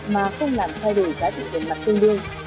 mà không làm thay đổi giá trị tiền mặt tương đương